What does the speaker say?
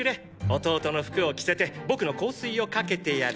弟の服を着せて僕の香水をかけてやれ。